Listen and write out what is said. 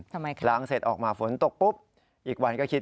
ทำไมคะล้างเสร็จออกมาฝนตกปุ๊บอีกวันก็คิด